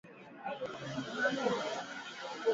Kwa upande wa redio inatangaza saa mbili